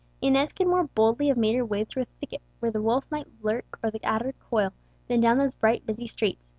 Inez could more boldly have made her way through a thicket, where the wolf might lurk or the adder coil, than down those bright, busy streets.